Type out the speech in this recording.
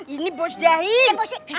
ini bos dahil